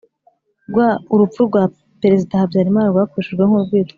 rwa urupfu rwa Perezida Habyarimana rwakoreshejwe nk urwitwazo